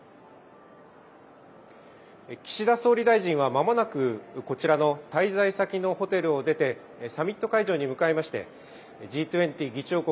岸田総理大臣はまもなくこちらの滞在先のホテルを出てサミット会場に向かいましてＧ２０議長国